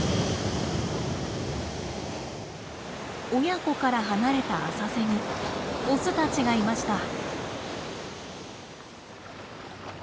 親子から離れた浅瀬にオスたちがいました。